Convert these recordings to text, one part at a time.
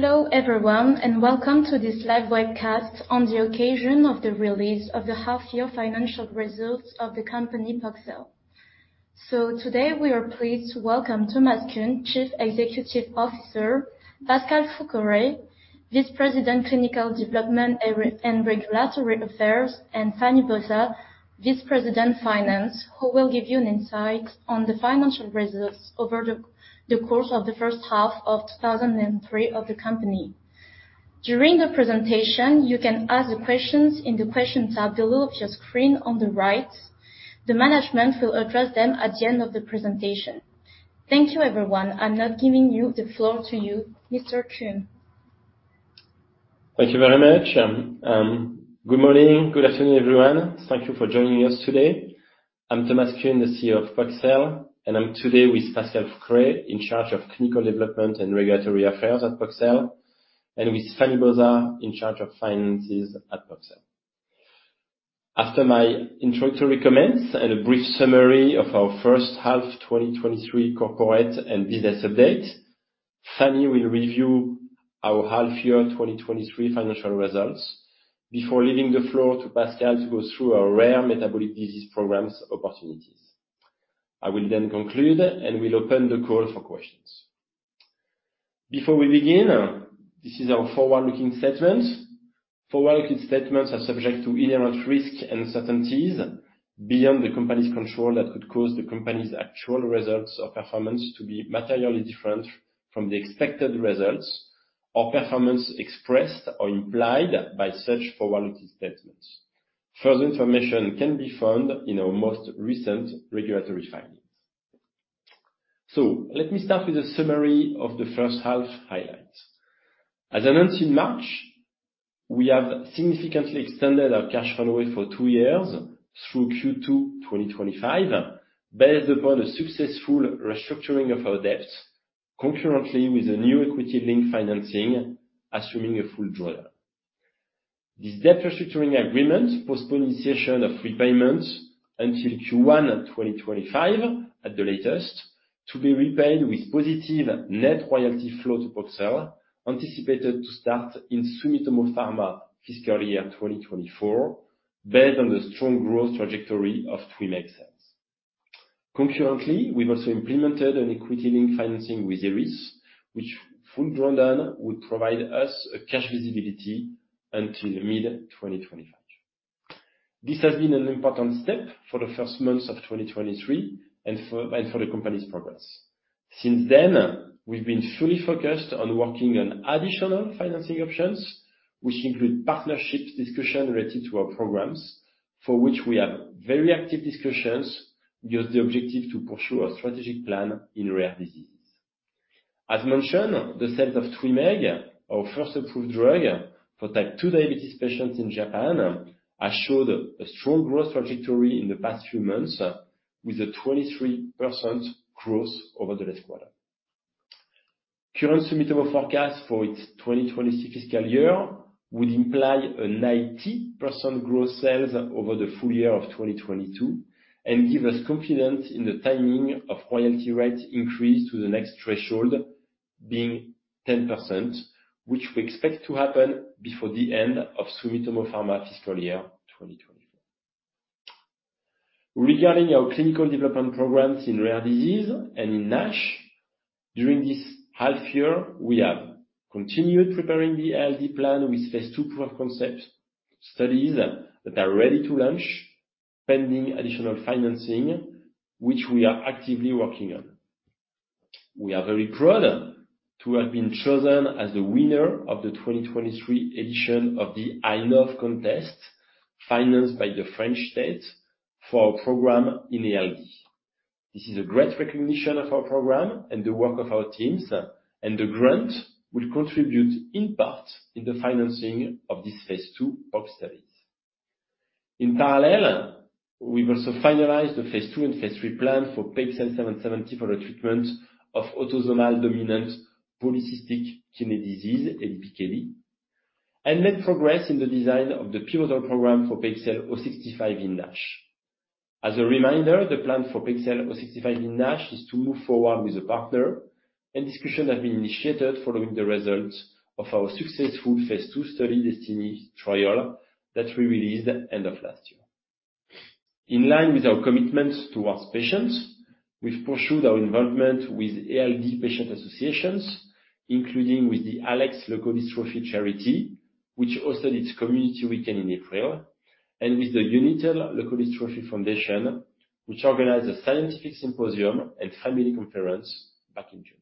Hello everyone, and welcome to this live webcast on the occasion of the release of the half-year financial results of the company, Poxel. So today, we are pleased to welcome Thomas Kuhn, Chief Executive Officer, Pascale Fouqueray, Vice President, Clinical Development and Regulatory Affairs, and Fanny Bosa, Vice President, Finance, who will give you an insight on the financial results over the course of the first half of 2023 of the company. During the presentation, you can ask the questions in the question tab below your screen on the right. The management will address them at the end of the presentation. Thank you, everyone. I'm now giving you the floor to you, Mr. Kuhn. Thank you very much. Good morning, good afternoon, everyone. Thank you for joining us today. I'm Thomas Kuhn, the CEO of Poxel, and I'm today with Pascale Fouqueray, in charge of Clinical Development and Regulatory Affairs at Poxel, and with Fanny Bosa, in charge of Finance at Poxel. After my introductory comments and a brief summary of our first half 2023 corporate and business update, Fanny will review our half year 2023 financial results before leaving the floor to Pascale to go through our rare metabolic disease programs opportunities. I will then conclude, and we'll open the call for questions. Before we begin, this is our forward-looking statement. Forward-looking statements are subject to inherent risks and uncertainties beyond the company's control that could cause the company's actual results or performance to be materially different from the expected results or performance expressed or implied by such forward-looking statements. Further information can be found in our most recent regulatory filings. Let me start with a summary of the first half highlights. As announced in March, we have significantly extended our cash runway for two years through Q2 2025, based upon a successful restructuring of our debts, concurrently with a new equity-linked financing, assuming a full draw. This debt restructuring agreement postpones repayments until Q1 2025, at the latest, to be repaid with positive net royalty flow to Poxel, anticipated to start in Sumitomo Pharma fiscal year 2024, based on the strong growth trajectory of TWYMEEG sales. Concurrently, we've also implemented an equity-linked financing with IRIS, which fully drawn down would provide us a cash visibility until mid-2025. This has been an important step for the first months of 2023 and for the company's progress. Since then, we've been fully focused on working on additional financing options, which include partnership discussion related to our programs, for which we have very active discussions, with the objective to pursue our strategic plan in rare diseases. As mentioned, the sales of TWYMEEG, our first approved drug for type 2 diabetes patients in Japan, has showed a strong growth trajectory in the past few months, with a 23% growth over the last quarter. Current Sumitomo Pharma forecast for its 2026 fiscal year would imply a 90% growth sales over the full year of 2022, and give us confidence in the timing of royalty rate increase to the next threshold, being 10%, which we expect to happen before the end of Sumitomo Pharma fiscal year 2024. Regarding our clinical development programs in rare disease and in NASH, during this half year, we have continued preparing the ALD plan with phase II proof of concept studies that are ready to launch, pending additional financing, which we are actively working on. We are very proud to have been chosen as the winner of the 2023 edition of the i-Nov contest, financed by the French state, for our program in ALD. This is a great recognition of our program and the work of our teams, and the grant will contribute in part in the financing of this phase II proof studies. In parallel, we've also finalized the phase II and phase III plan for PXL770 for the treatment of autosomal dominant polycystic kidney disease, ADPKD, and made progress in the design of the pivotal program for PXL065 in NASH. As a reminder, the plan for PXL065 in NASH is to move forward with a partner, and discussion have been initiated following the results of our successful phase II study DESTINY trial that we released end of last year. In line with our commitments towards patients, we've pursued our involvement with ALD patient associations, including with the Alex, The Leukodystrophy Charity, which hosted its community weekend in April, and with the United Leukodystrophy Foundation, which organized a scientific symposium and family conference back in June.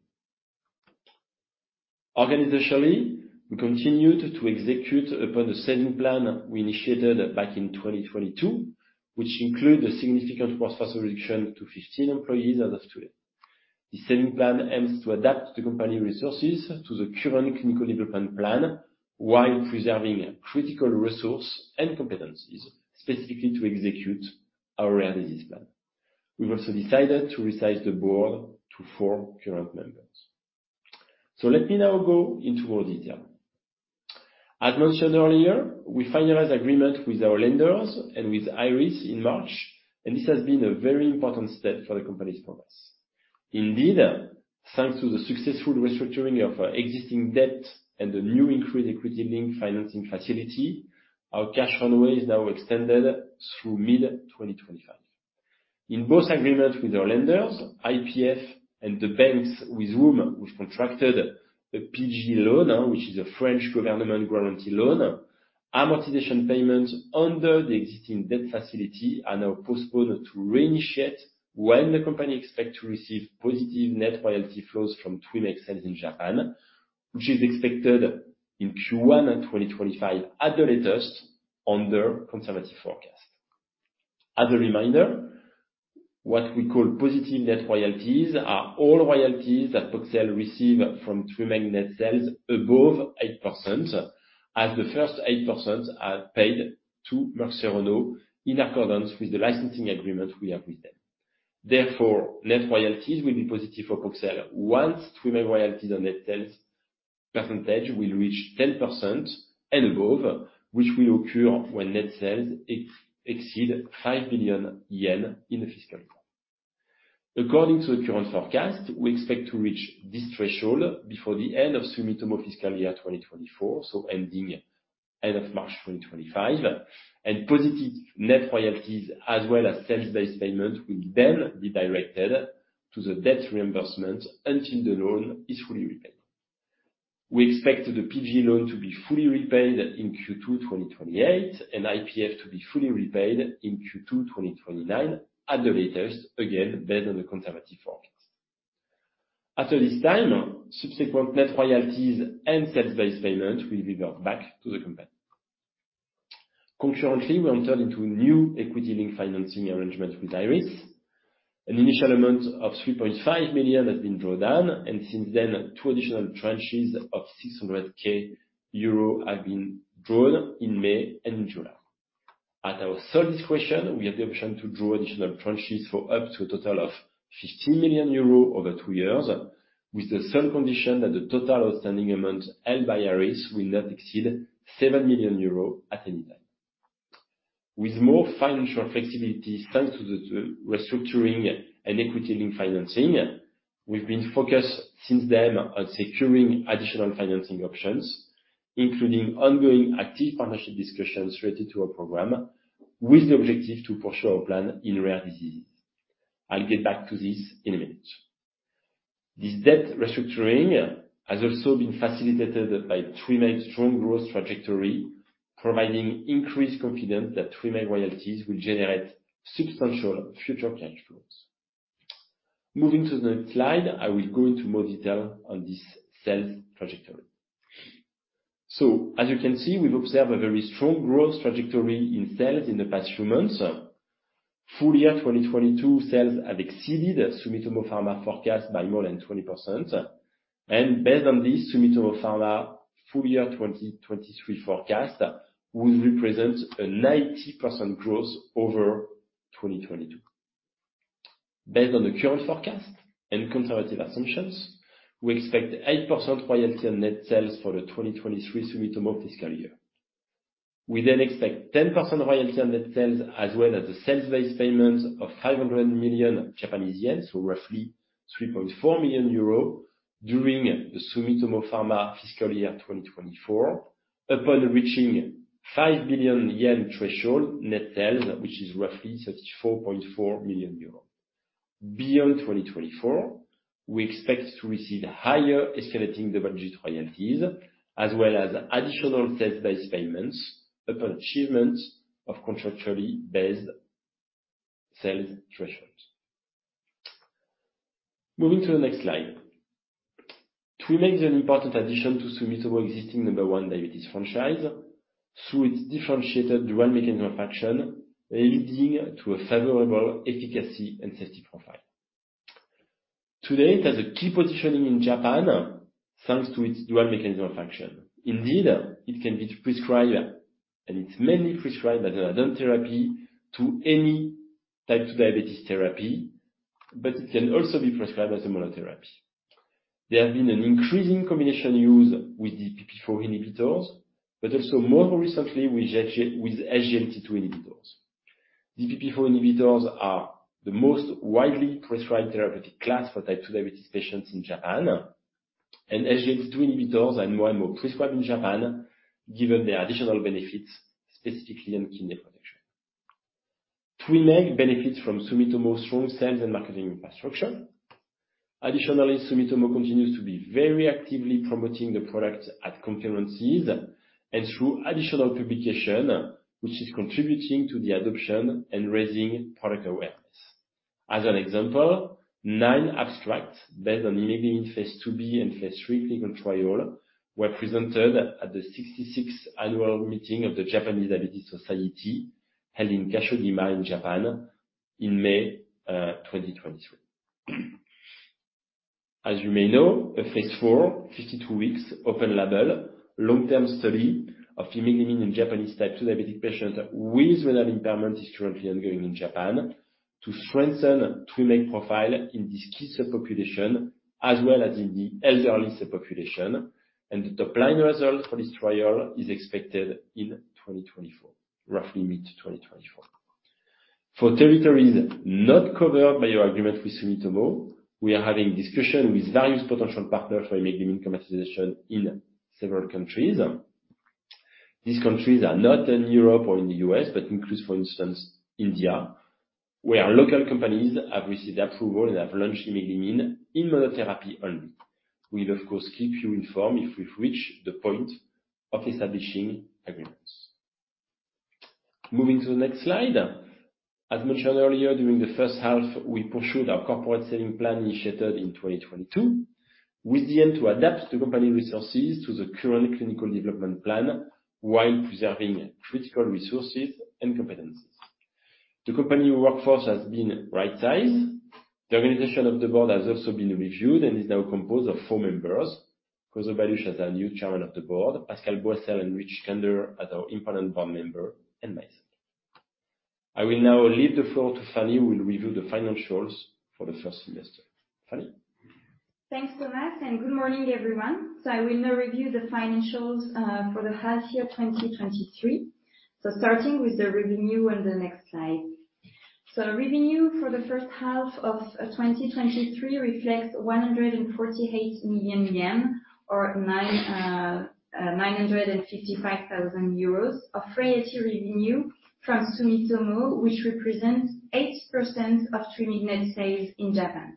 Organizationally, we continued to execute upon the saving plan we initiated back in 2022, which include a significant workforce reduction to 15 employees as of today. The saving plan aims to adapt the company resources to the current clinical development plan, while preserving critical resource and competencies, specifically to execute our rare disease plan. We've also decided to resize the board to four current members. So let me now go into more detail. As mentioned earlier, we finalized agreement with our lenders and with IRIS in March, and this has been a very important step for the company's progress. Indeed, thanks to the successful restructuring of our existing debt and the new increased equity link financing facility, our cash runway is now extended through mid-2025. In both agreements with our lenders, IPF and the banks with whom we've contracted a PGE loan, which is a French government guarantee loan, amortization payments under the existing debt facility are now postponed to initiate when the company expects to receive positive net royalty flows from TWYMEEG sales in Japan, which is expected in Q1 of 2025 at the latest under conservative forecast. As a reminder, what we call positive net royalties are all royalties that Poxel receive from TWYMEEG net sales above 8%, as the first 8% are paid to Merck Serono in accordance with the licensing agreement we have with them. Therefore, net royalties will be positive for Poxel once TWYMEEG royalties on net sales percentage will reach 10% and above, which will occur when net sales exceed 5 billion yen in the fiscal year. According to the current forecast, we expect to reach this threshold before the end of Sumitomo fiscal year 2024, so end of March 2025, and positive net royalties as well as sales-based payment will then be directed to the debt reimbursement until the loan is fully repaid. We expect the PGE loan to be fully repaid in Q2 2028, and IPF to be fully repaid in Q2 2029 at the latest, again, based on the conservative forecast. After this time, subsequent net royalties and sales-based payment will be brought back to the company. Concurrently, we entered into a new equity link financing arrangement with IRIS. An initial amount of 3.5 million has been drawn down, and since then, two additional tranches of 600,000 euro have been drawn in May and July. At our sole discretion, we have the option to draw additional tranches for up to a total of 15 million euros over two years, with the sole condition that the total outstanding amount held by IRIS will not exceed 7 million euros at any time. With more financial flexibility, thanks to the restructuring and equity link financing, we've been focused since then on securing additional financing options, including ongoing active partnership discussions related to our program, with the objective to pursue our plan in rare diseases. I'll get back to this in a minute. This debt restructuring has also been facilitated by TWYMEEG's strong growth trajectory, providing increased confidence that TWYMEEG royalties will generate substantial future cash flows. Moving to the next slide, I will go into more detail on this sales trajectory. So as you can see, we've observed a very strong growth trajectory in sales in the past few months. Full year 2022 sales have exceeded Sumitomo Pharma forecast by more than 20%. And based on this, Sumitomo Pharma full year 2023 forecast would represent a 90% growth over 2022. Based on the current forecast and conservative assumptions, we expect 8% royalty on net sales for the 2023 Sumitomo fiscal year. We then expect 10% royalty on net sales, as well as a sales-based payment of 500 million Japanese yen, so roughly 3.4 million euros, during the Sumitomo Pharma fiscal year 2024, upon reaching 5 billion yen threshold net sales, which is roughly 34.4 million euros. Beyond 2024, we expect to receive higher escalating double-digit royalties, as well as additional sales-based payments upon achievement of contractually based sales thresholds. Moving to the next slide. TWYMEEG is an important addition to Sumitomo's existing number one diabetes franchise through its differentiated dual mechanism of action, leading to a favorable efficacy and safety profile. Today, it has a key positioning in Japan, thanks to its dual mechanism of action. Indeed, it can be prescribed, and it's mainly prescribed as an add-on therapy to any type 2 diabetes therapy, but it can also be prescribed as a monotherapy. There have been an increasing combination use with DPP-4 inhibitors, but also more recently, with SGLT2 inhibitors. DPP-4 inhibitors are the most widely prescribed therapeutic class for type 2 diabetes patients in Japan, and SGLT2 inhibitors are more and more prescribed in Japan, given their additional benefits, specifically in kidney protection. TWYMEEG benefits from Sumitomo's strong sales and marketing infrastructure. Additionally, Sumitomo continues to be very actively promoting the product at conferences and through additional publication, which is contributing to the adoption and raising product awareness. As an example, nine abstracts based on imeglimin in phase II-B and phase III clinical trial were presented at the 66th annual meeting of the Japanese Diabetes Society, held in Kagoshima, in Japan, in May 2023. As you may know, a phase IV, 52-week, open-label, long-term study of imeglimin in Japanese type 2 diabetic patients with renal impairment is currently ongoing in Japan. to strengthen TWYMEEG profile in this key subpopulation, as well as in the elderly subpopulation, and the top-line result for this trial is expected in 2024, roughly mid-2024. For territories not covered by our agreement with Sumitomo, we are having discussion with various potential partners for imeglimin commercialization in several countries. These countries are not in Europe or in the U.S., but includes, for instance, India, where local companies have received approval and have launched imeglimin in monotherapy only. We'll, of course, keep you informed if we've reached the point of establishing agreements. Moving to the next slide. As mentioned earlier, during the first half, we pursued our corporate saving plan initiated in 2022, with the aim to adapt the company resources to the current clinical development plan, while preserving critical resources and competencies. The company workforce has been right-sized. The organization of the board has also been reviewed and is now composed of four members. Khoso Baluch as our new Chairman of the Board, Pascale Boissel and Rich Kender as our independent board member, and myself. I will now leave the floor to Fanny, who will review the financials for the first semester. Fanny? Thanks, Thomas, and good morning, everyone. I will now review the financials for the half year 2023. Starting with the revenue on the next slide. Revenue for the first half of 2023 reflects 148 million yen, or 955,000 euros of royalty revenue from Sumitomo Pharma, which represents 8% of TWYMEEG net sales in Japan.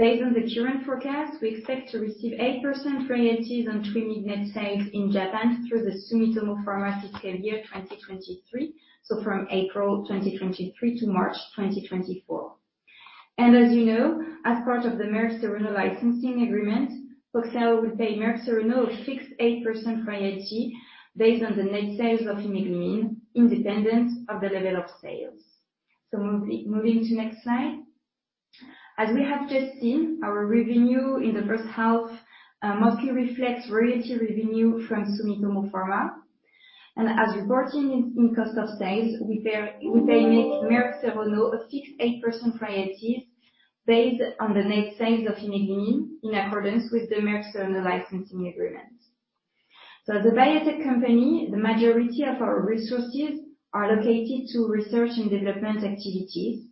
Based on the current forecast, we expect to receive 8% royalties on TWYMEEG net sales in Japan through the Sumitomo Pharma fiscal year 2023, so from April 2023 to March 2024. And as you know, as part of the Merck Serono licensing agreement, Poxel will pay Merck Serono a fixed 8% royalty based on the net sales of imeglimin, independent of the level of sales. So moving to next slide. As we have just seen, our revenue in the first half mostly reflects royalty revenue from Sumitomo Pharma. As reported in cost of sales, we pay Merck Serono a fixed 8% royalties based on the net sales of imeglimin, in accordance with the Merck Serono licensing agreement. So as a biotech company, the majority of our resources are allocated to research and development activities.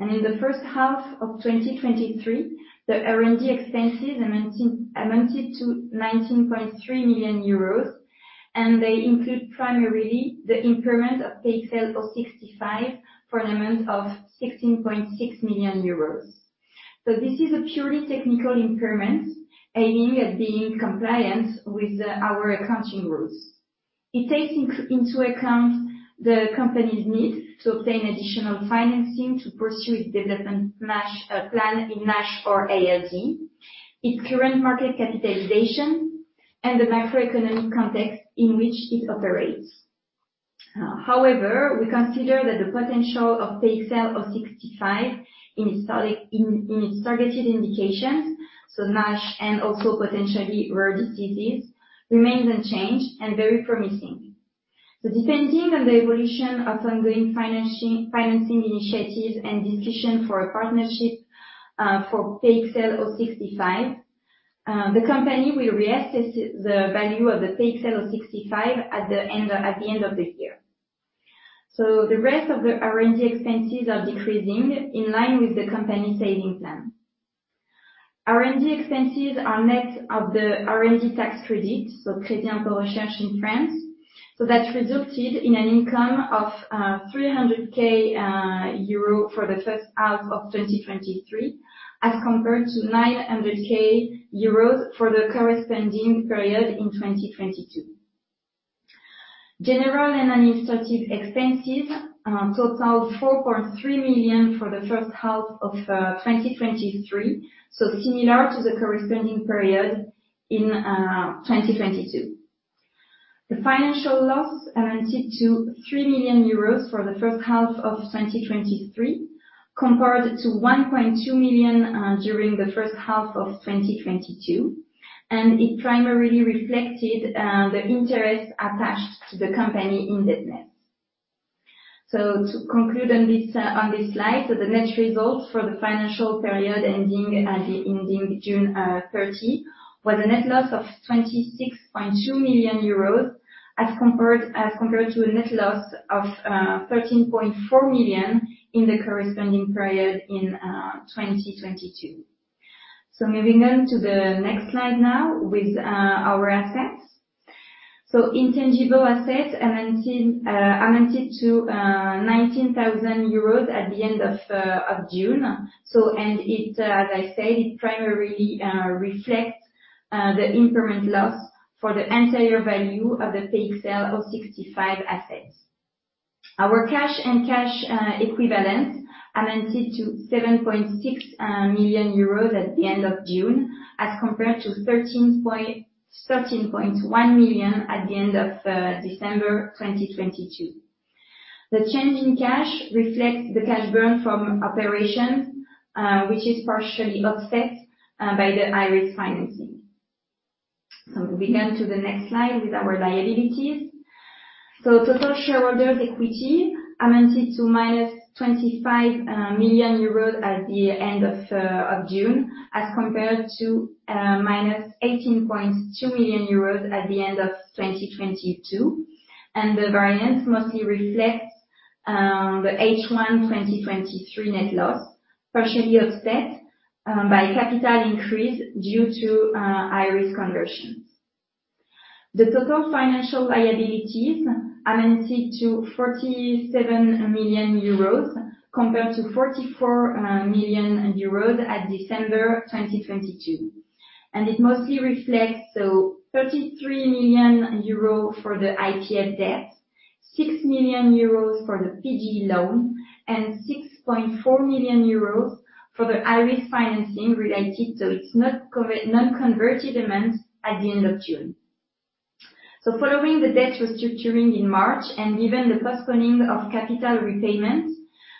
In the first half of 2023, the R&D expenses amounted to 19.3 million euros, and they include primarily the impairment of PXL065 for an amount of 16.6 million euros. So this is a purely technical impairment, aiming at being compliant with our accounting rules. It takes into account the company's need to obtain additional financing to pursue its development NASH, plan in NASH or ALD, its current market capitalization, and the macroeconomic context in which it operates. However, we consider that the potential of PXL065 in its targeted indications, so NASH and also potentially rare diseases, remains unchanged and very promising. So depending on the evolution of ongoing financing initiatives and discussion for a partnership for PXL065, the company will reassess the value of the PXL065 at the end of the year. So the rest of the R&D expenses are decreasing in line with the company's saving plan. R&D expenses are net of the R&D tax credit, so Crédit Impôt Recherche in France. So that resulted in an income of 300,000 euro for the first half of 2023, as compared to 900,000 euros for the corresponding period in 2022. General and administrative expenses totaled 4.3 million for the first half of 2023, so similar to the corresponding period in 2022. The financial loss amounted to 3 million euros for the first half of 2023, compared to 1.2 million during the first half of 2022, and it primarily reflected the interest attached to the company indebtedness. So to conclude on this, on this slide, so the net results for the financial period ending at the ending June 30, was a net loss of 26.2 million euros, as compared, as compared to a net loss of, 13.4 million in the corresponding period in 2020. So moving on to the next slide now with, our assets. So intangible assets amounted, amounted to, nineteen thousand euros at the end of, of June. So and it, as I said, it primarily, reflects, the impairment loss for the entire value of the PXL065 assets. Our cash and cash, equivalents amounted to 7.6 million euros at the end of June, as compared to 13.1 million at the end of December 2022. The change in cash reflects the cash burn from operations, which is partially offset by the IRIS financing. So we go to the next slide with our liabilities. So total shareholders' equity amounted to minus 25 million euros at the end of June, as compared to minus 18.2 million euros at the end of 2022, and the variance mostly reflects the H1 2023 net loss, partially offset by capital increase due to IRIS conversions. The total financial liabilities amounted to 47 million euros, compared to 44 million euros at December 2022. And it mostly reflects so 33 million euro for the IPF debt, 6 million euros for the PGE loan, and 6.4 million euros for the IRIS financing related, so it's non-converted amounts at the end of June. So following the debt restructuring in March and given the postponing of capital repayments,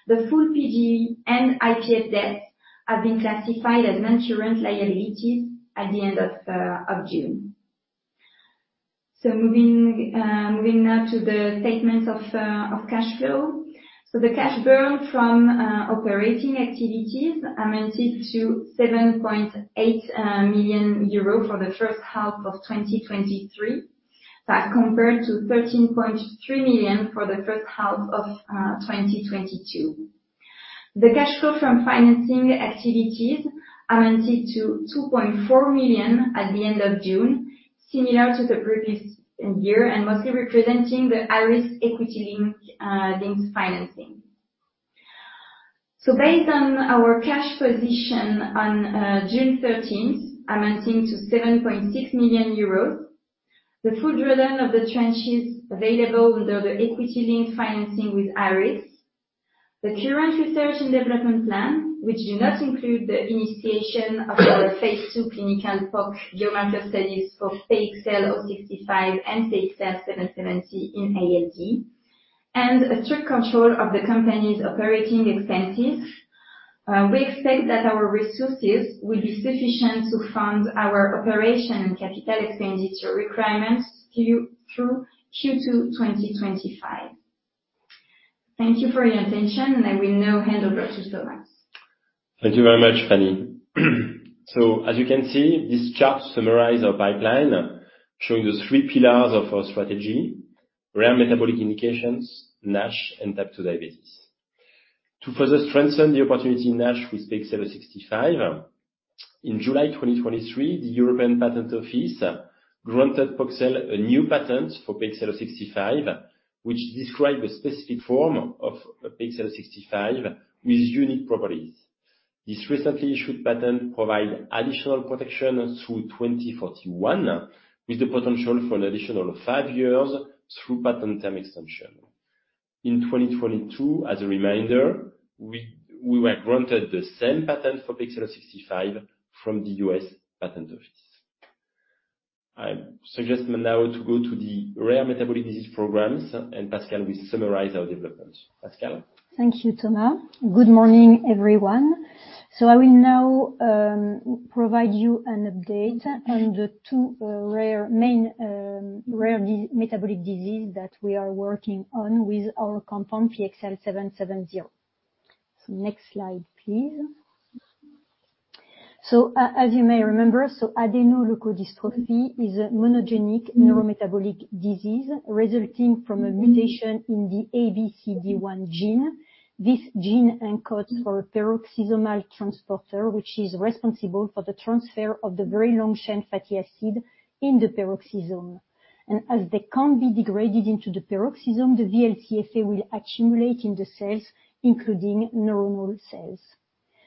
the full PGE and IPF debt have been classified as non-current liabilities at the end of June. So moving now to the statements of cash flow. So the cash burn from operating activities amounted to 7.8 million euro for the first half of 2023. That compared to 13.3 million for the first half of 2022. The cash flow from financing activities amounted to 2.4 million at the end of June, similar to the previous year, and mostly representing the IRIS equity-linked financing. So based on our cash position on June thirteenth, amounting to 7.6 million euros, the full rhythm of the tranches available under the equity-linked financing with IRIS. The current research and development plan, which do not include the initiation of the phase II clinical POC in AMN studies for PXL065 and PXL770 in ALD, and a strict control of the company's operating expenses. We expect that our resources will be sufficient to fund our operation and capital expenditure requirements through Q2 2025. Thank you for your attention, and I will now hand over to Thomas. Thank you very much, Fanny. So as you can see, this chart summarize our pipeline, showing the three pillars of our strategy: rare metabolic indications, NASH, and type 2 diabetes. To further strengthen the opportunity in NASH with PXL065, in July 2023, the European Patent Office granted Poxel a new patent for PXL065, which describe a specific form of PXL065 with unique properties. This recently issued patent provide additional protection through 2041, with the potential for an additional five years through patent term extension. In 2022, as a reminder, we were granted the same patent for PXL065 from the U.S. Patent Office. I suggest now to go to the rare metabolic disease programs, and Pascale will summarize our developments. Pascale? Thank you, Thomas. Good morning, everyone. So I will now provide you an update on the two rare metabolic disease that we are working on with our compound, PXL770. So next slide, please. So as you may remember, so adrenoleukodystrophy is a monogenic neurometabolic disease resulting from a mutation in the ABCD1 gene. This gene encodes for a peroxisomal transporter, which is responsible for the transfer of the very long-chain fatty acid in the peroxisome. And as they can't be degraded into the peroxisome, the VLCFAs will accumulate in the cells, including neuronal cells.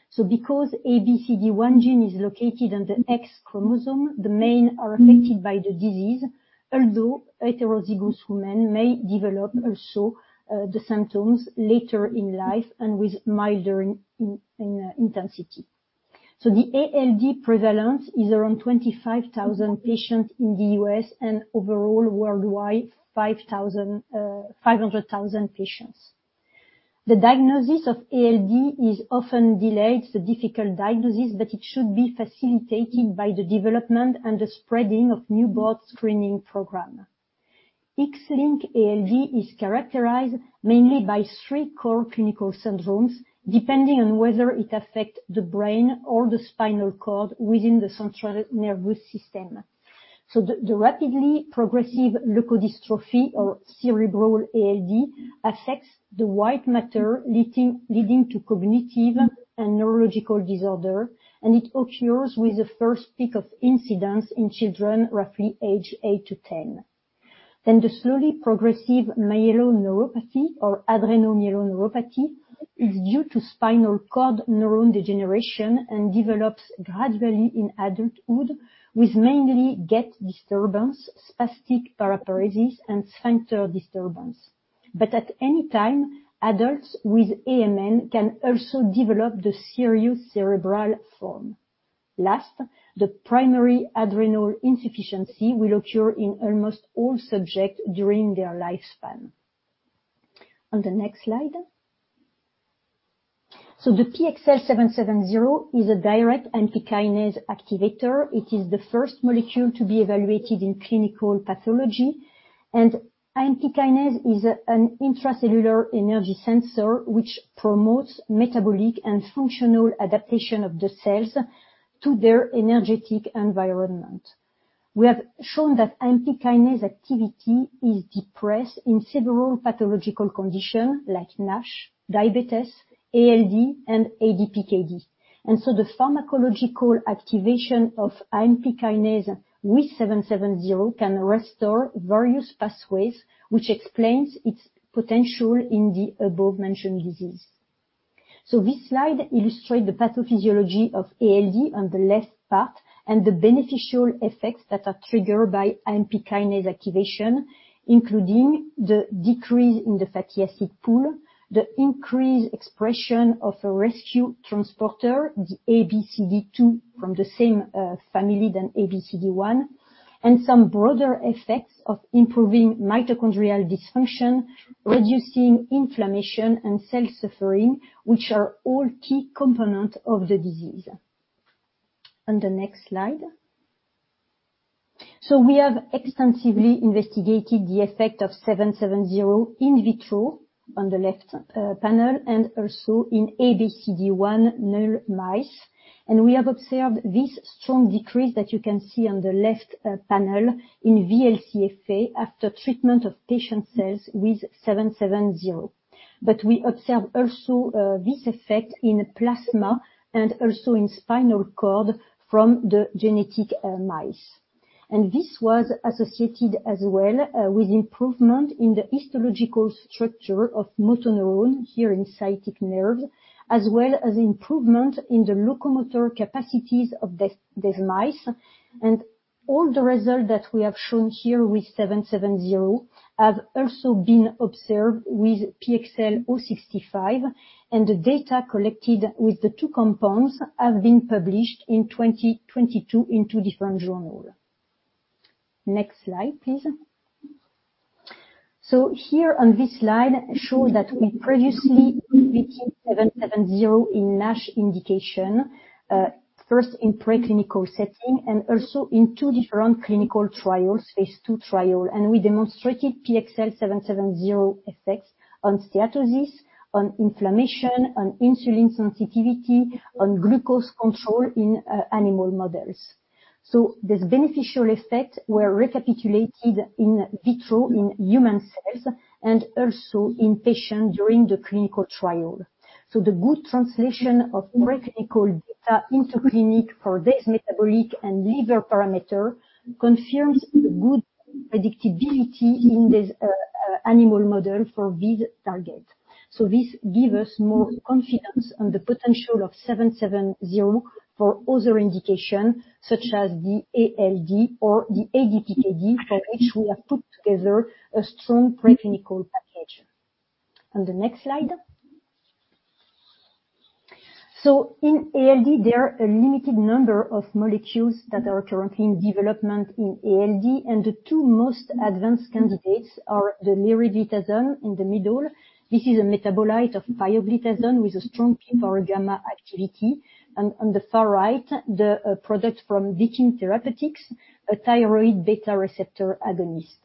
So because ABCD1 gene is located on the X chromosome, the men are affected by the disease, although heterozygous women may develop also the symptoms later in life and with milder intensity. So the ALD prevalence is around 25,000 patients in the U.S., and overall worldwide, 500,000 patients. The diagnosis of ALD is often delayed, it's a difficult diagnosis, but it should be facilitated by the development and the spreading of newborn screening program. X-linked ALD is characterized mainly by three core clinical syndromes, depending on whether it affects the brain or the spinal cord within the central nervous system. So the rapidly progressive leukodystrophy or cerebral ALD affects the white matter, leading to cognitive and neurological disorder, and it occurs with the first peak of incidence in children roughly aged eight-10. Then the slowly progressive myeloneuropathy, or adrenomyeloneuropathy, is due to spinal cord neuron degeneration and develops gradually in adulthood, with mainly gait disturbance, spastic paraparesis, and sphincter disturbance. But at any time, adults with AMN can also develop the serious cerebral form. Last, the primary adrenal insufficiency will occur in almost all subjects during their lifespan. On the next slide. So the PXL770 is a direct AMP kinase activator. It is the first molecule to be evaluated in clinical pathology, and AMP kinase is an intracellular energy sensor, which promotes metabolic and functional adaptation of the cells to their energetic environment. We have shown that AMP kinase activity is depressed in several pathological conditions like NASH, diabetes, ALD, and ADPKD. And so the pharmacological activation of AMP kinase with 770 can restore various pathways, which explains its potential in the above-mentioned disease. So this slide illustrates the pathophysiology of ALD on the left part, and the beneficial effects that are triggered by AMP kinase activation, including the decrease in the fatty acid pool, the increased expression of a rescue transporter, the ABCD2, from the same family than ABCD1, and some broader effects of improving mitochondrial dysfunction, reducing inflammation and cell suffering, which are all key components of the disease. On the next slide. So we have extensively investigated the effect of 770 in vitro on the left panel, and also in ABCD1 null mice. And we have observed this strong decrease that you can see on the left panel in VLCFA after treatment of patient cells with 770. But we observed also this effect in plasma and also in spinal cord from the genetic mice. This was associated as well with improvement in the histological structure of motor neuron, here in sciatic nerve, as well as improvement in the locomotor capacities of these mice. And all the results that we have shown here with PXL770 have also been observed with PXL065, and the data collected with the two compounds have been published in 2022 in two different journals. Next slide, please. So here on this slide shows that we previously PXL770 in NASH indication, first in preclinical setting and also in two different clinical trials, phase II trial. And we demonstrated PXL770 effects on steatosis, on inflammation, on insulin sensitivity, on glucose control in animal models. So this beneficial effect were recapitulated in vitro in human cells and also in patients during the clinical trial. So the good translation of preclinical data into clinic for this metabolic and liver parameter confirms the good predictability in this, animal model for this target. So this give us more confidence on the potential of PXL770 for other indications, such as the ALD or the ADPKD, for which we have put together a strong preclinical package. On the next slide. In ALD, there are a limited number of molecules that are currently in development in ALD, and the two most advanced candidates are the PXL065, in the middle. This is a metabolite of pioglitazone with a strong PPARγ activity. And on the far right, the product from Viking Therapeutics, a thyroid beta receptor agonist.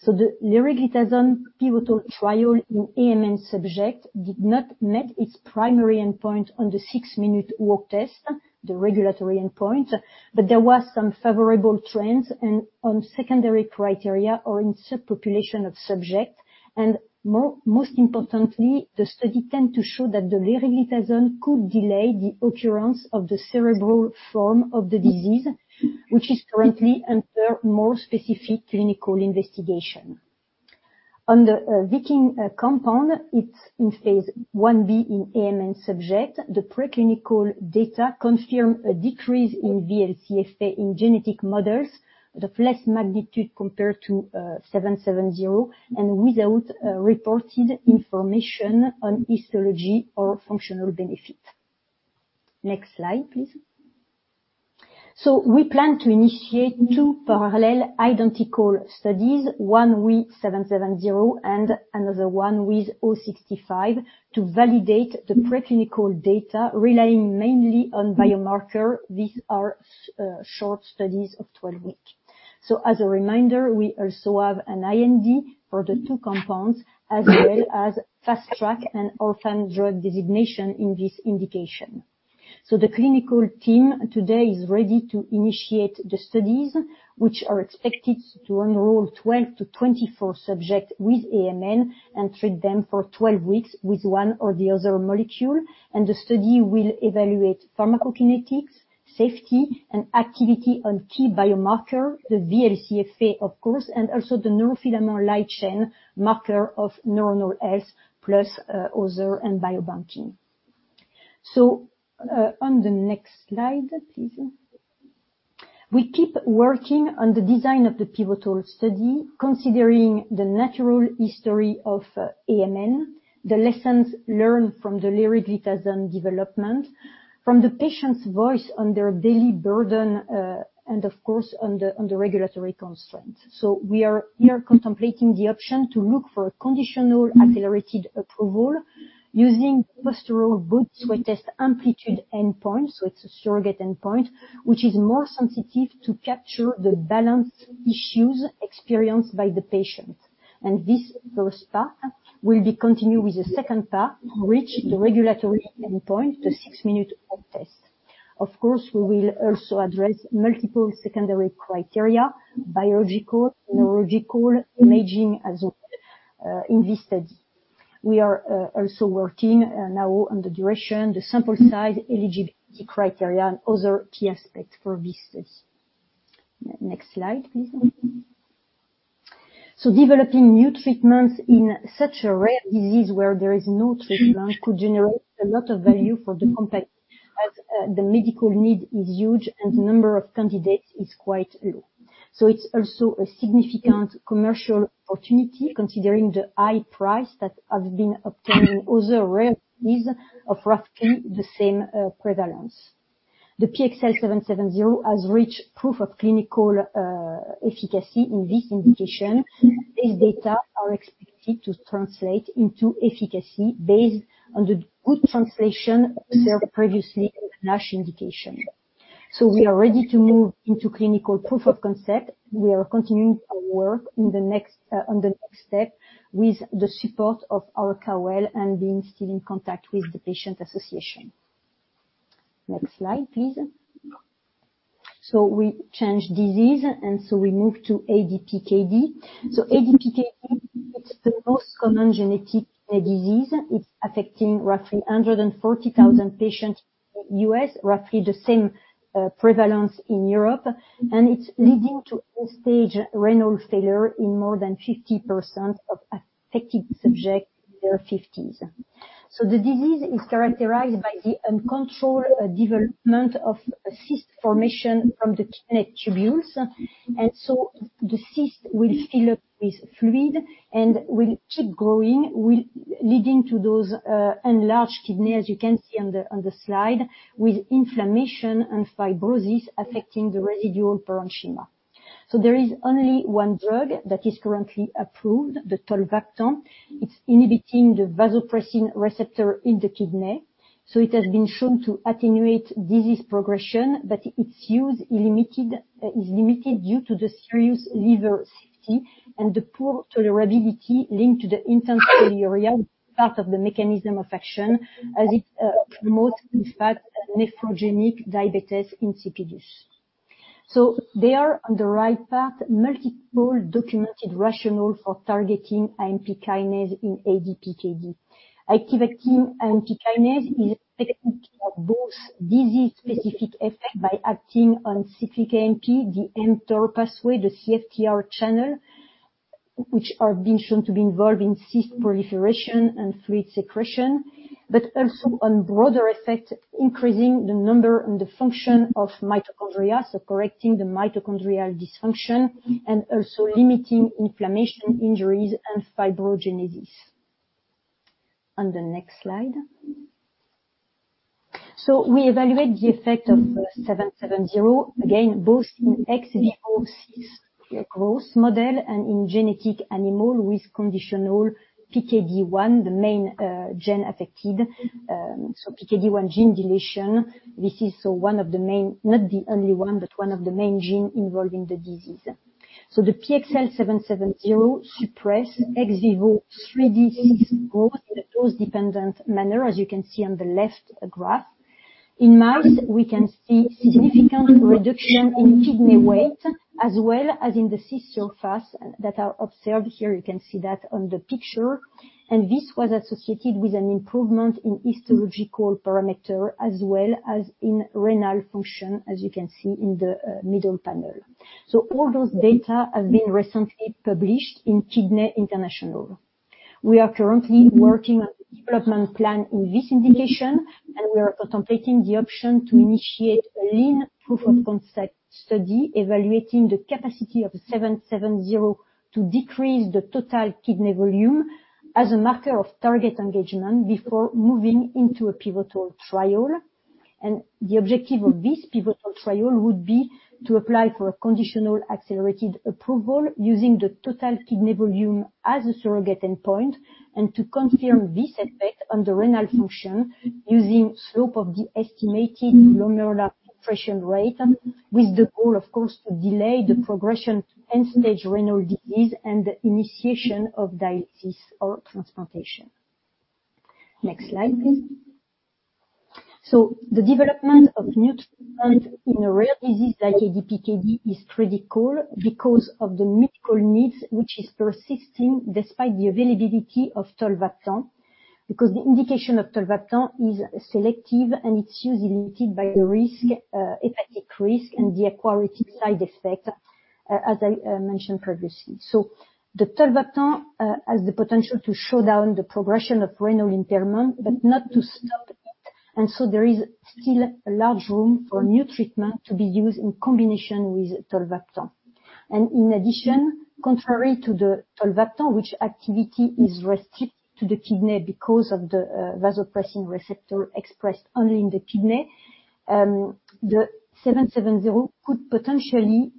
So the liraglutide pivotal trial in AMN subjects did not meet its primary endpoint on the six-minute walk test, the regulatory endpoint, but there was some favorable trends and on secondary criteria or in subpopulation of subjects. And most importantly, the study tends to show that the liraglutide could delay the occurrence of the cerebral form of the disease, which is currently under more specific clinical investigation. On the Viking compound, it's in phase I-B in AMN subjects. The preclinical data confirm a decrease in VLCFA in genetic models of less magnitude compared to 770, and without reported information on histology or functional benefit. Next slide, please. So we plan to initiate two parallel identical studies, one with 770 and another one with 065, to validate the preclinical data, relying mainly on biomarker. These are short studies of 12 weeks. So as a reminder, we also have an IND for the two compounds, as well as Fast Track and Orphan Drug Designation in this indication. So the clinical team today is ready to initiate the studies, which are expected to enroll 12-24 subjects with AMN, and treat them for 12 weeks with one or the other molecule. And the study will evaluate pharmacokinetics, safety, and activity on key biomarker, the VLCFA, of course, and also the neurofilament light chain marker of neuronal health, plus, other and biobanking. So, on the next slide, please. We keep working on the design of the pivotal study, considering the natural history of AMN, the lessons learned from the liraglutide development. From the patient's voice on their daily burden, and of course, on the, on the regulatory constraint. So we are here contemplating the option to look for a conditional accelerated approval using postural body sway test amplitude endpoint. So it's a surrogate endpoint, which is more sensitive to capture the balance issues experienced by the patient. And this first path will be continued with a second path, reach the regulatory endpoint, the six-minute walk test. Of course, we will also address multiple secondary criteria: biological, neurological, imaging, as well, in this study. We are also working now on the duration, the sample size, eligibility criteria, and other key aspects for this study. Next slide, please. So developing new treatments in such a rare disease where there is no treatment could generate a lot of value for the company, as the medical need is huge and the number of candidates is quite low. So it's also a significant commercial opportunity, considering the high price that has been obtained in other rare disease of roughly the same prevalence. The PXL770 has reached proof of clinical efficacy in this indication. These data are expected to translate into efficacy based on the good translation observed previously in NASH indication. So we are ready to move into clinical proof of concept. We are continuing our work in the next, on the next step, with the support of our KOL and being still in contact with the patient association. Next slide, please. So we change disease, and so we move to ADPKD. So ADPKD, it's the most common genetic kidney disease. It's affecting roughly 140,000 patients in the U.S., roughly the same prevalence in Europe, and it's leading to end-stage renal failure in more than 50% of affected subjects in their fifties. So the disease is characterized by the uncontrolled development of a cyst formation from the kidney tubules, and so the cyst will fill up with fluid and will keep growing, leading to those enlarged kidneys, as you can see on the slide, with inflammation and fibrosis affecting the residual parenchyma. So there is only one drug that is currently approved, the tolvaptan. It's inhibiting the vasopressin receptor in the kidney, so it has been shown to attenuate disease progression, but its use is limited due to the serious liver safety and the poor tolerability linked to the intense aquaretic part of the mechanism of action, as it promotes, in fact, nephrogenic diabetes insipidus. So they are on the right path, multiple documented rationale for targeting AMP kinase in ADPKD. Activating AMP kinase is a tenet of both disease-specific effect by acting on cyclic AMP, the mTOR pathway, the CFTR channel, which are being shown to be involved in cyst proliferation and fluid secretion, but also on broader effect, increasing the number and the function of mitochondria, so correcting the mitochondrial dysfunction and also limiting inflammation, injuries, and fibrogenesis. On the next slide. We evaluate the effect of PXL770, again, both in ex vivo cyst growth model and in genetic animal with conditional PKD1, the main gene affected. PKD1 gene deletion, this is one of the main. Not the only one, but one of the main gene involving the disease. The PXL770 suppress ex vivo 3D cyst growth in a dose-dependent manner, as you can see on the left graph. In mouse, we can see significant reduction in kidney weight, as well as in the cyst surface that are observed here. You can see that on the picture. This was associated with an improvement in histological parameter, as well as in renal function, as you can see in the middle panel. All those data have been recently published in Kidney International. We are currently working on a development plan in this indication, and we are contemplating the option to initiate a lean proof-of-concept study, evaluating the capacity of 770 to decrease the total kidney volume as a marker of target engagement before moving into a pivotal trial. The objective of this pivotal trial would be to apply for a conditional accelerated approval, using the total kidney volume as a surrogate endpoint, and to confirm this effect on the renal function using slope of the estimated glomerular filtration rate, with the goal, of course, to delay the progression to end-stage renal disease and the initiation of dialysis or transplantation. Next slide, please. So the development of new treatment in a rare disease like ADPKD is critical because of the medical needs, which is persisting despite the availability of tolvaptan, because the indication of tolvaptan is selective and its use is limited by the risk, hepatic risk and the aquaretic side effect, as I mentioned previously. So the tolvaptan has the potential to slow down the progression of renal impairment, but not to stop it. And so there is still a large room for new treatment to be used in combination with tolvaptan. In addition, contrary to the tolvaptan, which activity is restricted to the kidney because of the vasopressin receptor expressed only in the kidney, the 770 could potentially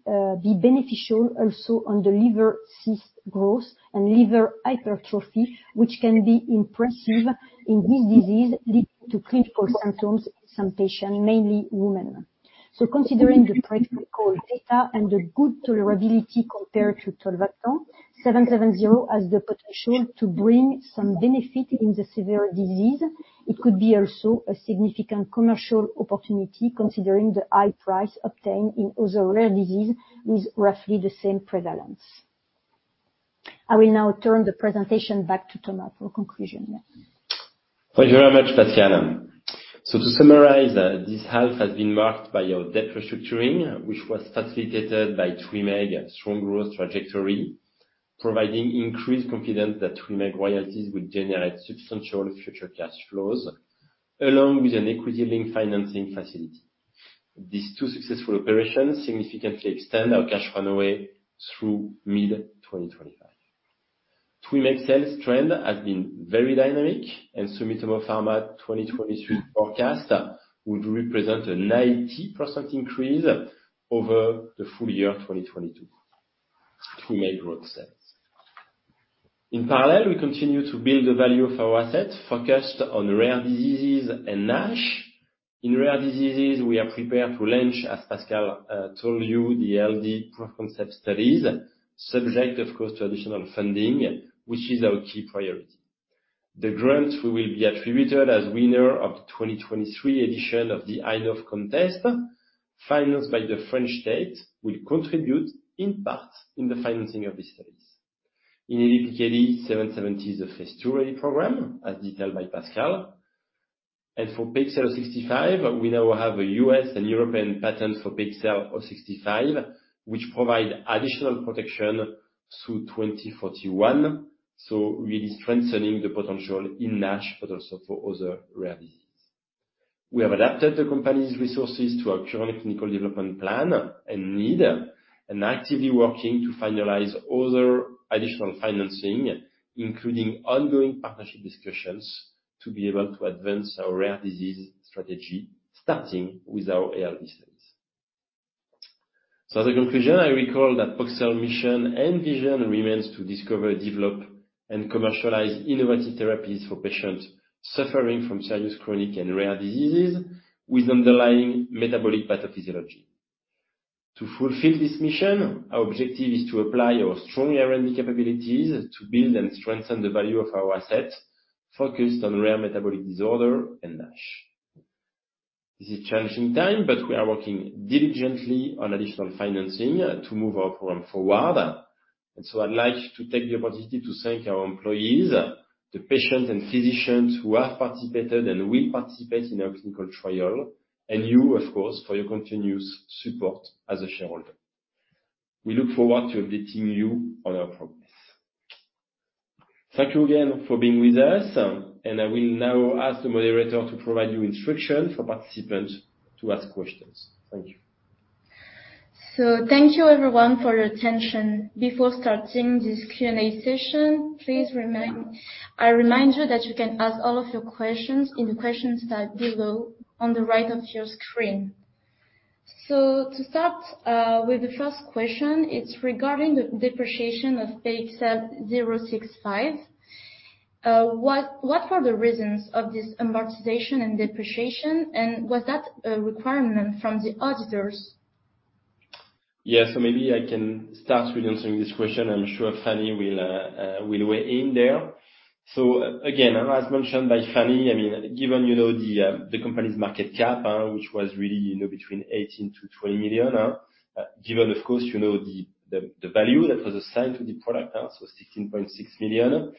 be beneficial also on the liver cyst growth and liver hypertrophy, which can be impressive in this disease, leading to clinical symptoms in some patients, mainly women. So considering the practical data and the good tolerability compared to tolvaptan, 770 has the potential to bring some benefit in the severe disease. It could be also a significant commercial opportunity, considering the high price obtained in other rare diseases with roughly the same prevalence. I will now turn the presentation back to Thomas for conclusion. Thank you very much. To summarize, this half has been marked by our debt restructuring, which was facilitated by TWYMEEG's strong growth trajectory, providing increased confidence that TWYMEEG royalties will generate substantial future cash flows, along with an equity-linked financing facility. These two successful operations significantly extend our cash runway through mid-2025. TWYMEEG sales trend has been very dynamic, and Sumitomo Pharma 2023 forecast would represent a 90% increase over the full year of 2022. TWYMEEG growth sets. In parallel, we continue to build the value of our assets, focused on rare diseases and NASH. In rare diseases, we are prepared to launch, as Pascale told you, the ALD proof-of-concept studies, subject, of course, to additional funding, which is our key priority. The grants we will be attributed as winner of the 2023 edition of the i-Nov Contest, financed by the French state, will contribute in part in the financing of these studies. In ALD, PXL770 is a phase II ready program, as detailed by Pascale. For PXL065, we now have a U.S. and European patent for PXL065, which provide additional protection through 2041, so really strengthening the potential in NASH, but also for other rare diseases. We have adapted the company's resources to our current technical development plan and need, and actively working to finalize other additional financing, including ongoing partnership discussions, to be able to advance our rare disease strategy, starting with our ALD studies. As a conclusion, I recall that Poxel's mission and vision remains to discover, develop, and commercialize innovative therapies for patients suffering from serious chronic and rare diseases with underlying metabolic pathophysiology. To fulfill this mission, our objective is to apply our strong R&D capabilities to build and strengthen the value of our assets, focused on rare metabolic disorder and NASH. This is challenging time, but we are working diligently on additional financing to move our program forward. I'd like to take the opportunity to thank our employees, the patients and physicians who have participated and will participate in our clinical trial, and you, of course, for your continuous support as a shareholder. We look forward to updating you on our progress. Thank you again for being with us, and I will now ask the moderator to provide you instructions for participants to ask questions. Thank you. So thank you everyone for your attention. Before starting this Q&A session, I remind you that you can ask all of your questions in the questions tab below on the right of your screen. So to start with the first question, it's regarding the depreciation of PXL065. What were the reasons of this amortization and depreciation, and was that a requirement from the auditors? Yeah, so maybe I can start with answering this question. I'm sure Fanny will weigh in there. So again, as mentioned by Fanny, I mean, given, you know, the company's market cap, which was really, you know, between 18 million-20 million, given, of course, you know, the value that was assigned to the product, so 16.6 million,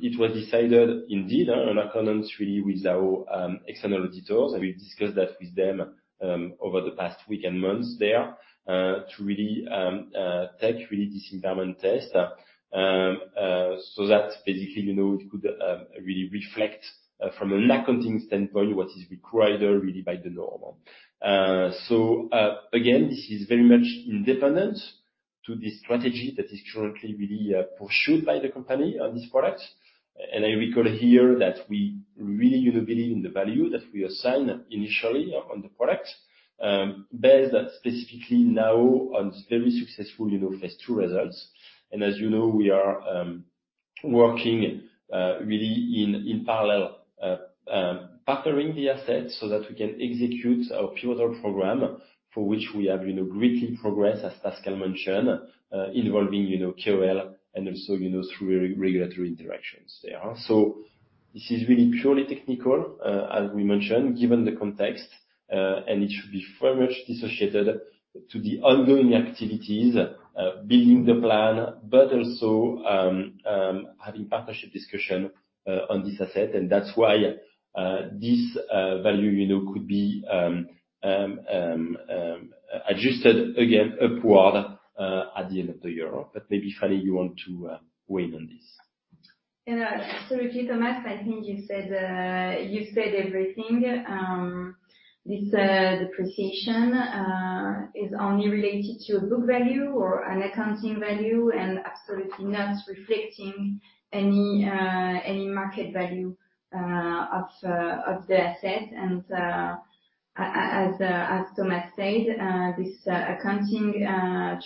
it was decided indeed, in accordance really with our external auditors, and we discussed that with them, over the past week and months there, to really take really this impairment test. So that basically, you know, it could really reflect, from an accounting standpoint, what is required, really, by the norm. So, again, this is very much independent to the strategy that is currently really pursued by the company on this product. And I recall here that we really, you know, believe in the value that we assigned initially on the product, based specifically now on very successful, you know, phase II results. And as you know, we are working really in parallel partnering the assets so that we can execute our PXL program, for which we have, you know, greatly progressed, as Pascale mentioned, involving, you know, KOL and also, you know, through regulatory interactions there. So this is really purely technical, as we mentioned, given the context, and it should be very much dissociated to the ongoing activities, building the plan, but also having partnership discussion on this asset. And that's why this value, you know, could be adjusted again upward at the end of the year. But maybe, Fanny, you want to weigh in on this? Yeah, absolutely, Thomas, I think you said you said everything. This depreciation is only related to a book value or an accounting value, and absolutely not reflecting any any market value of of the asset. As as Thomas said, this accounting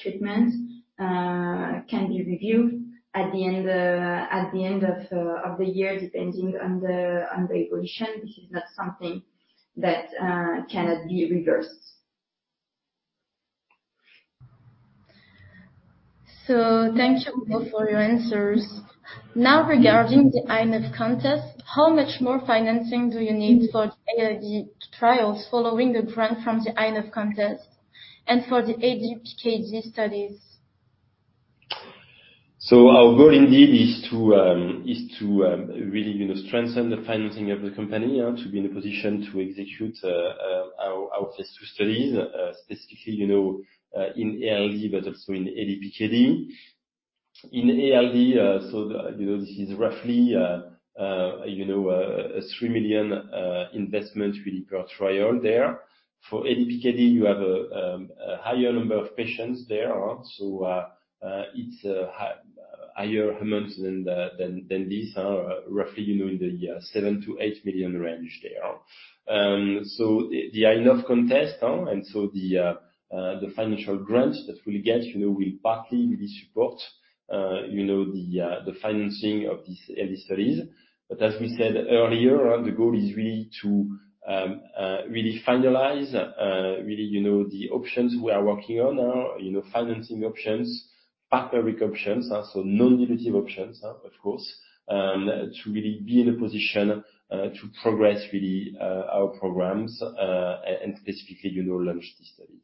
treatment can be reviewed at the end at the end of of the year, depending on the on the evolution. This is not something that cannot be reversed. Thank you both for your answers. Now, regarding the i-Nov Contest, how much more financing do you need for ALD trials following the grant from the i-Nov Contest and for the ADPKD studies? So our goal indeed is to really, you know, strengthen the financing of the company and to be in a position to execute our first two studies. Specifically, you know, in ALD, but also in ADPKD. In ALD, so, you know, this is roughly a 3 million investment really per trial there. For ADPKD, you have a higher number of patients there, so it's a higher amount than this, roughly, you know, in the 7 million-8 million range there. So the i-Nov Contest, and so the financial grant that we'll get, you know, will partly really support the financing of these ALD studies. But as we said earlier, the goal is really to really finalize really, you know, the options we are working on, you know, financing options, partner options, so non-dilutive options, huh, of course, to really be in a position to progress really our programs, and specifically, you know, launch these studies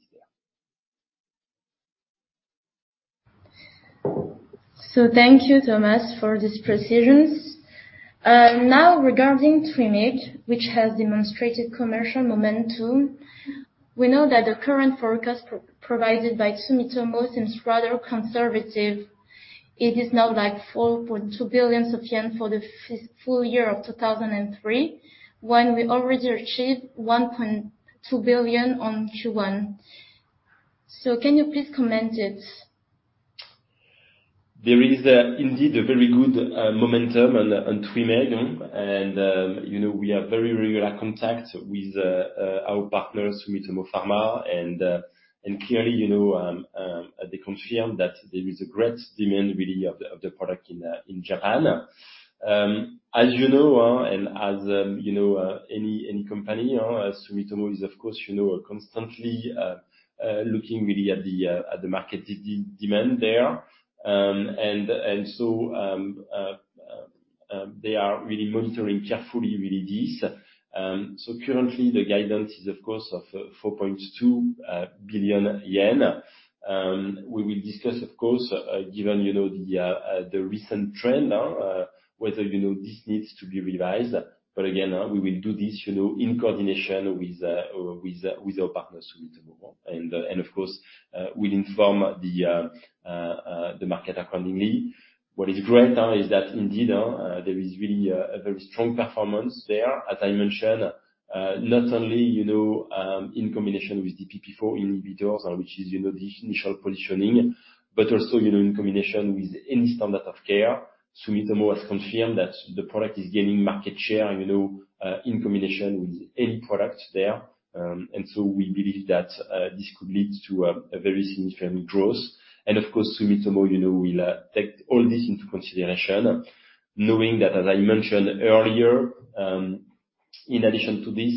there. Thank you, Thomas, for this precision. Now, regarding TWYMEEG, which has demonstrated commercial momentum, we know that the current forecast provided by Sumitomo seems rather conservative. It is now, like, 4.2 billion yen for the full year of 2023, when we already achieved 1.2 billion in Q1. So can you please comment it? There is indeed a very good momentum on TWYMEEG, and you know, we have very regular contact with our partners, Sumitomo Pharma. And clearly, you know, they confirm that there is a great demand really of the product in Japan. As you know, and as you know, any company, Sumitomo is, of course, you know, constantly looking really at the market demand there. And so they are really monitoring carefully really this. So currently, the guidance is, of course, 4.2 billion yen. We will discuss, of course, given you know, the recent trend, whether you know, this needs to be revised. But again, we will do this, you know, in coordination with our partners, Sumitomo. And of course, we'll inform the market accordingly. What is great is that indeed there is really a very strong performance there, as I mentioned. Not only, you know, in combination with DPP-4 inhibitors, which is, you know, the initial positioning, but also, you know, in combination with any standard of care. Sumitomo has confirmed that the product is gaining market share, you know, in combination with any product there. And so we believe that this could lead to a very significant growth. Of course, Sumitomo, you know, will take all this into consideration, knowing that, as I mentioned earlier, in addition to this,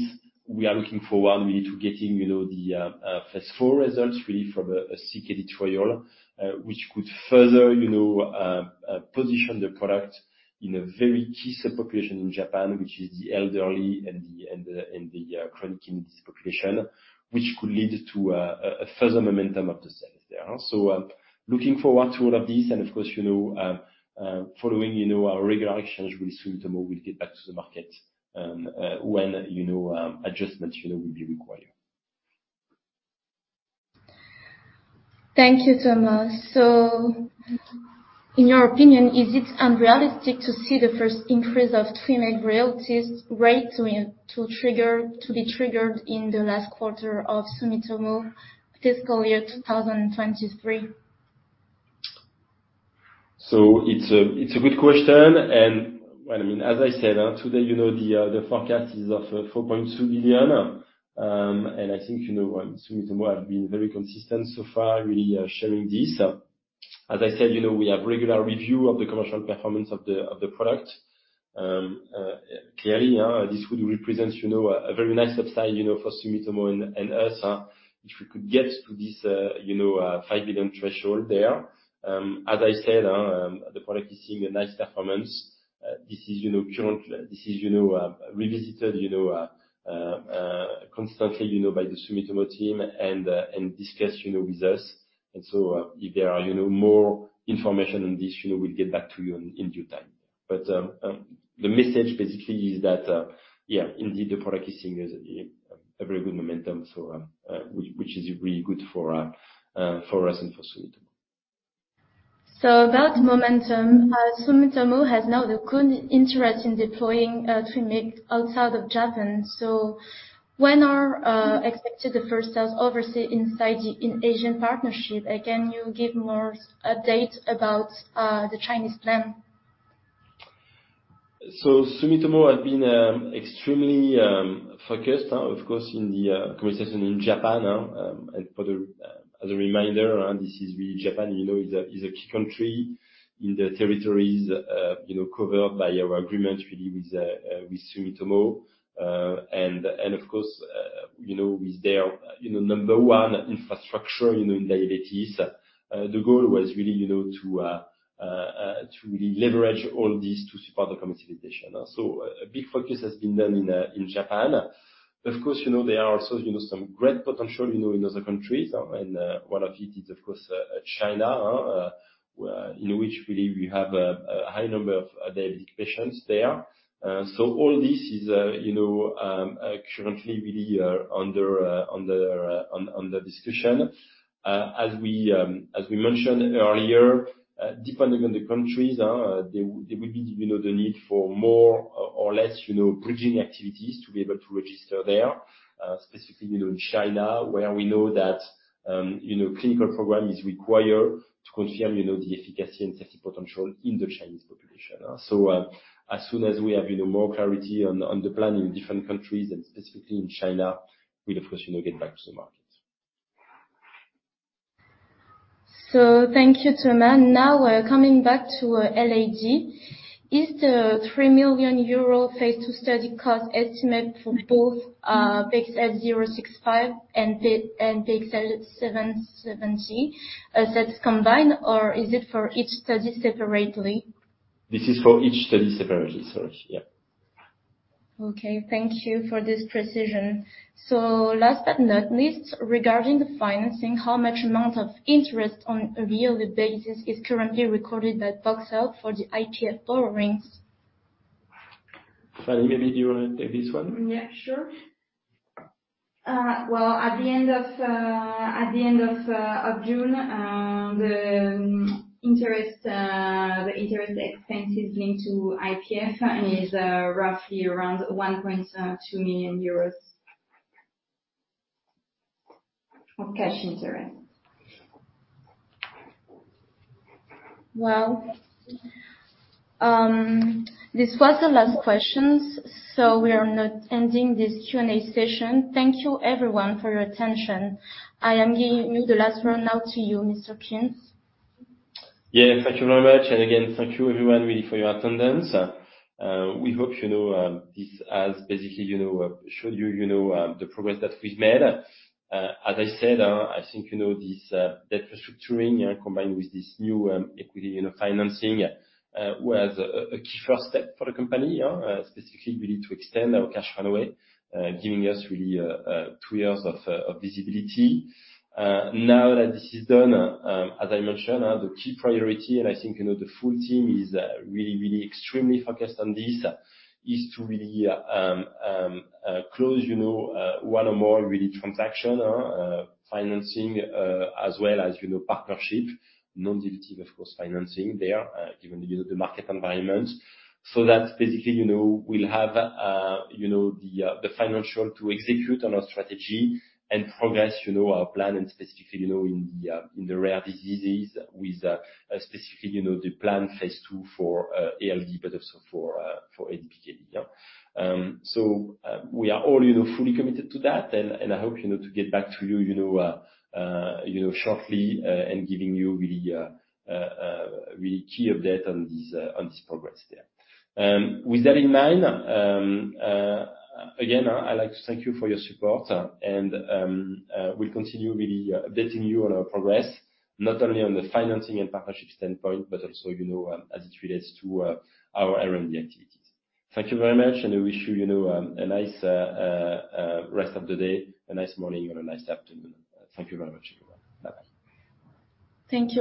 we are looking forward really to getting, you know, the phase IV results really from a CKD trial. Which could further, you know, position the product in a very key subpopulation in Japan, which is the elderly and the chronic kidney disease population, which could lead to a further momentum of the sales there. So, looking forward to all of this, and of course, you know, following, you know, our regular exchange with Sumitomo, we'll get back to the market, when, you know, adjustments, you know, will be required. Thank you, Thomas. So in your opinion, is it unrealistic to see the first increase of TWYMEEG royalties rate to be triggered in the last quarter of Sumitomo fiscal year 2023? So it's a good question, and, well, I mean, as I said, today, you know, the forecast is of 4.2 billion. And I think, you know, Sumitomo have been very consistent so far, really, sharing this. As I said, you know, we have regular review of the commercial performance of the product. Clearly, this would represent, you know, a very nice upside, you know, for Sumitomo and us, if we could get to this, you know, 5 billion threshold there. As I said, the product is seeing a nice performance. This is, you know, revisited, you know, constantly, you know, by the Sumitomo team and discussed, you know, with us. And so, if there are, you know, more information on this, you know, we'll get back to you in due time. But the message basically is that, yeah, indeed, the product is seeing as a very good momentum. So, which is really good for us and for Sumitomo. About momentum, Sumitomo has now the good interest in deploying TWYMEEG outside of Japan. When are expected the first sales overseas inside the, in Asian partnership? Again, you give more update about the Chinese plan. So Sumitomo has been extremely focused, of course, in the commercialization in Japan. And as a reminder, and this is really Japan, you know, is a key country in the territories, you know, covered by our agreement really with Sumitomo. And, of course, you know, with their, you know, number one infrastructure, you know, in diabetes. The goal was really, you know, to really leverage all this to support the commercialization. So a big focus has been done in Japan. Of course, you know, there are also, you know, some great potential, you know, in other countries. And one of it is, of course, China, where in which really we have a high number of diabetic patients there. So all this is, you know, currently really under discussion. As we mentioned earlier, depending on the countries, there will be, you know, the need for more or less, you know, bridging activities to be able to register there. Specifically, you know, in China, where we know that, you know, clinical program is required to confirm, you know, the efficacy and safety potential in the Chinese population. So, as soon as we have, you know, more clarity on the plan in different countries and specifically in China, we'll of course, you know, get back to the market. Thank you, Thomas. Now we're coming back to ALD. Is the 3 million euro phase II study cost estimate for both PXL065 and PXL770? Is that combined, or is it for each study separately? This is for each study separately. Sorry, yeah. Okay, thank you for this precision. So last but not least, regarding the financing, how much amount of interest on a yearly basis is currently recorded at Poxel for the IPF borrowings? Fanny, maybe do you want to take this one? Yeah, sure. Well, at the end of June, the interest expenses linked to IPF is roughly around 1.2 million euros of cash interest. Well, this was the last questions, so we are now ending this Q&A session. Thank you everyone for your attention. I am giving the last word now to you, Mr. Kuhn. Yeah, thank you very much. And again, thank you everyone, really, for your attendance. We hope, you know, this has basically, you know, showed you, you know, the progress that we've made. As I said, I think, you know, this, debt restructuring, combined with this new, equity, you know, financing, was a key first step for the company, specifically really to extend our cash runway, giving us really, two years of visibility. Now that this is done, as I mentioned, the key priority, and I think, you know, the full team is really, really extremely focused on this, is to really close, you know, one or more really transaction, financing, as well as, you know, partnership, non-dilutive, of course, financing there, given, you know, the market environment. So that's basically, you know, we'll have the financial to execute on our strategy and progress, you know, our plan, and specifically, you know, in the rare diseases with, specifically, you know, the plan phase II for ALD, but also for ADPKD, yeah. So, we are all, you know, fully committed to that. I hope, you know, to get back to you, you know, shortly, and giving you really really key update on this, on this progress there. With that in mind, again, I'd like to thank you for your support. We'll continue really updating you on our progress, not only on the financing and partnership standpoint, but also, you know, as it relates to our R&D activities. Thank you very much, and I wish you, you know, a nice rest of the day, a nice morning, and a nice afternoon. Thank you very much, everyone. Bye-bye. Thank you all.